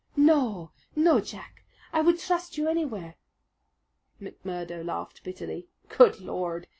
"No, no, Jack! I would trust you anywhere." McMurdo laughed bitterly. "Good Lord!